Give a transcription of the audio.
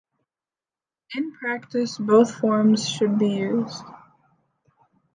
In practice, both forms should be used.